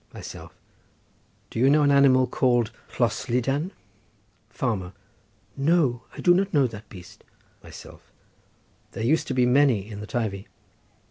Myself.—Do you know an animal called Llostlydan? Farmer.—No, I do not know that beast. Myself.—There used to be many in the Teivi.